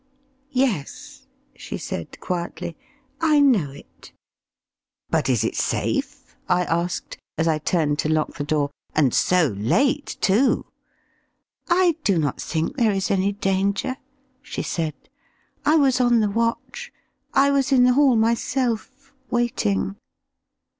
"Yes," she said, quietly, "I know it." "But is it safe?" I asked, as I turned to lock the door; "and so late, too." "I do not think there is any danger," she said. "I was on the watch; I was in the hall myself, waiting."